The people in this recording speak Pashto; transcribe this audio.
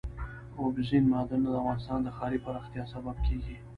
اوبزین معدنونه د افغانستان د ښاري پراختیا سبب کېږي.